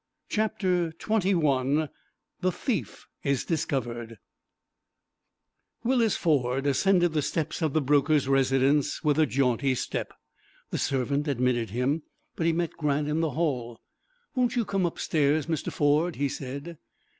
CHAPTER XXI THE THIEF IS DISCOVERED Willis Ford ascended the steps of the broker's residence with a jaunty step. The servant admitted him, but he met Grant in the hall. "Won't you come upstairs, Mr. Ford?" he said.